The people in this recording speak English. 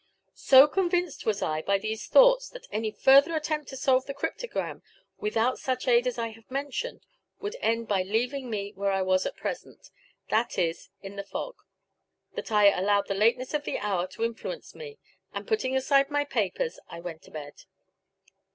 So convinced was I by these thoughts that any further attempt to solve the cryptogram without such aid as I have mentioned would end by leaving me where I was at present, that is, in the fog, that I allowed the lateness of the hour to influence me; and, putting aside my papers, I went to bed.